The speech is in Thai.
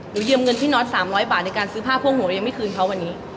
หนูเยี่ยมเงินพี่นอท๓๐๐บาทในการซื้อผ้าโพรงหัวยังไม่คืนเท่าวันนี้